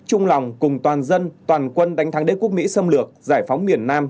chung lòng cùng toàn dân toàn quân đánh thắng đế quốc mỹ xâm lược giải phóng miền nam